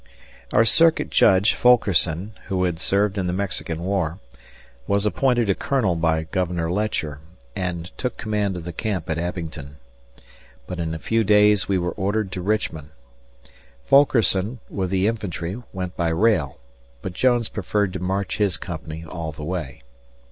Our Circuit Judge, Fulkerson, who had served in the Mexican War, was appointed a colonel by Governor Letcher, and took command of the camp at Abingdon. But in a few days we were ordered to Richmond. Fulkerson, with the infantry, went by rail, but Jones preferred to march his Company all the way.